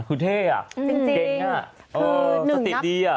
คือเท่อ่ะเก่งอ่ะสติดิ์อ่ะ